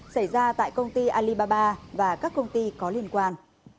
xảy ra tại công ty alibaba và các công ty có liên quan